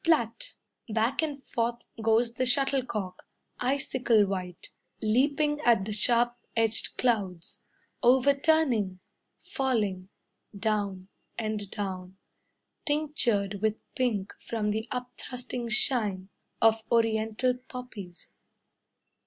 Plat! Back and forth Goes the shuttlecock, Icicle white, Leaping at the sharp edged clouds, Overturning, Falling, Down, And down, Tinctured with pink From the upthrusting shine Of Oriental poppies.